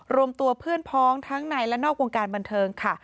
รวมตัวเพื่อนพ้องทั้งในและนอกวงการบันเทิงค่ะ